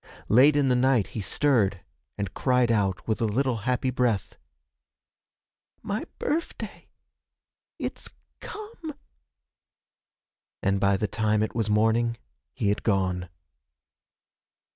Late in the night, he stirred, and cried out with a little happy breath, 'My birfday! It's come!' And by the time it was morning he had gone.